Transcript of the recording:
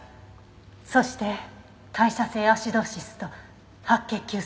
そして代謝性アシドーシスと白血球数の増加。